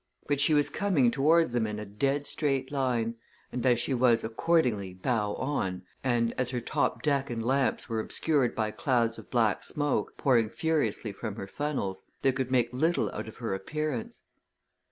But she was coming towards them in a dead straight line, and as she was accordingly bow on, and as her top deck and lamps were obscured by clouds of black smoke, pouring furiously from her funnels, they could make little out of her appearance.